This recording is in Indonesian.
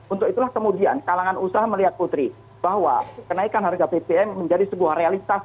untuk itulah kemudian kalangan usaha melihat putri bahwa kenaikan harga bbm menjadi sebuah realitas